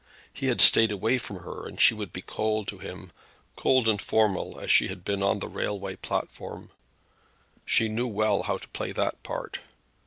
He had stayed away from her, and she would be cold to him, cold and formal as she had been on the railway platform. She knew well how to play that part.